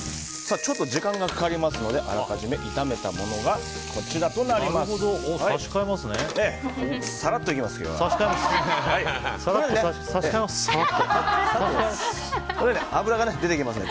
ちょっと時間がかかりますのであらかじめ炒めたものが差し替えますね。